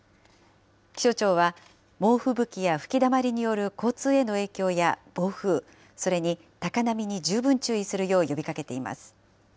気象庁は、猛吹雪や吹きだまりによる交通への影響や暴風、それに高波に十分注意するよう呼びかけています。